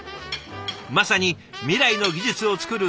まさに未来の技術を作る現場メシ。